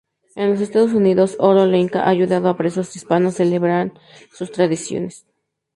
En los Estados Unidos, Oro Lenca ha ayudado a presos hispanos celebran sus tradiciones.